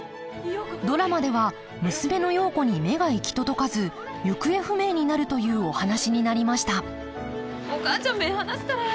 ドラマでは娘の陽子に目が行き届かず行方不明になるというお話になりましたお母ちゃん目ぇ離すからや。